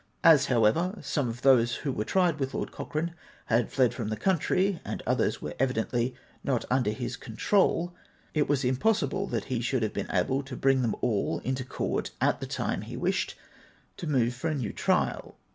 As, however, some of those who were tried with Lord Cochrane had fled from the country, and others were evidently not under his control, it was impossible that he should have been able to bring them all into court at the time he wished to move for a new trial.